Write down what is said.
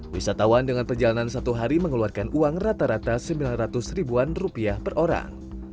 wisatawan dengan perjalanan satu hari mengeluarkan uang rata rata sembilan ratus ribuan rupiah per orang